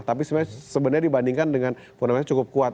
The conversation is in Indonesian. tapi sebenarnya dibandingkan dengan fenomena cukup kuat